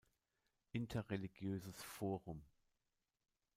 Interreligiöses Forum".